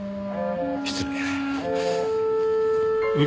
失礼。